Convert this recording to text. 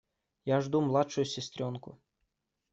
Я жду младшую сестренку.